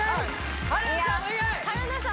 春菜さん